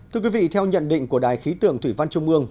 thưa quý vị theo nhận định của đài khí tưởng thủy văn trung mương